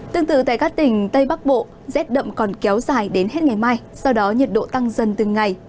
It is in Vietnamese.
tương tự tại các tỉnh tây bắc bộ rét đậm còn kéo dài đến hết ngày mai sau đó nhiệt độ tăng dần từng ngày